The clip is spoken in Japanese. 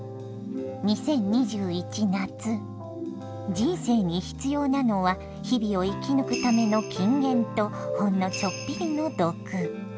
人生に必要なのは日々を生き抜くための金言とほんのちょっぴりの毒。